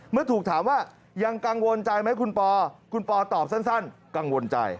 เมื่อถูกถามว่ายังกังวลใจไหมคุณปอคุณปอตอบสั้นกังวลใจ